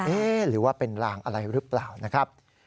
หรือว่าเป็นลางอะไรหรือเปล่านะครับ